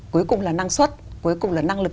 cuối cùng là năng suất cuối cùng là năng lực